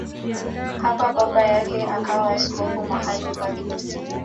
Hapo baba yake akawa askofu mahali pake.